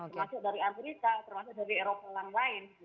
termasuk dari amerika termasuk dari eropa dan lain lain